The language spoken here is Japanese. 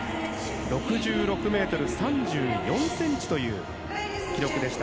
６６ｍ３４ｃｍという記録でした。